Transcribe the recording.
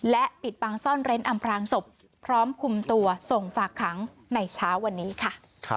และปิดบังซ่อนเร้นอำพรางศพพร้อมคุมตัวส่งฝากขังในเช้าวันนี้ค่ะ